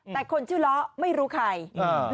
แต่คนชื่อล้อไม่รู้ใครอ่า